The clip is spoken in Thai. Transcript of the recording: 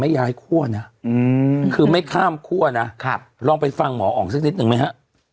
ไม่ยาให้คั่วนะคือไม่ข้ามคั่วนะครับลองไปฟังหมออ่องซักนิดหนึ่งไหมฮะ